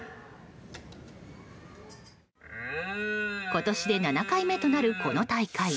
今年で７回目となるこの大会。